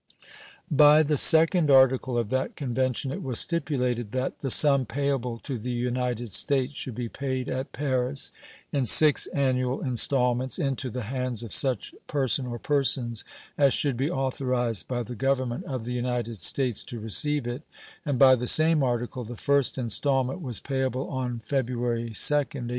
By the second article of that convention it was stipulated that the sum payable to the United States should be paid at Paris, in six annual installments, into the hands of such person or persons as should be authorized by the Government of the United States to receive it, and by the same article the first installment was payable on February 2d, 1833.